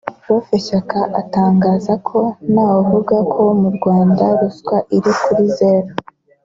Prof Shyaka atangaza ko ntawavuga ko mu Rwanda ruswa iri kuri zeru